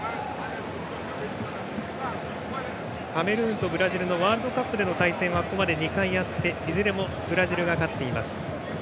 カメルーンとブラジルのワールドカップでの対戦はここまで２回あって、いずれもブラジルが勝っています。